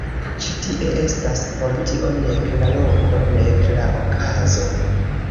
Ĉi tie estas por tio nek la loko, nek la okazo.